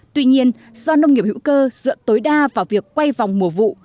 tuy nhiên do nông nghiệp hữu cơ dựa tối đa vào việc quay vòng mùa vụ